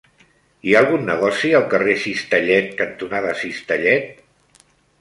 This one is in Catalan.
Hi ha algun negoci al carrer Cistellet cantonada Cistellet?